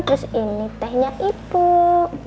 terus ini tehnya ibu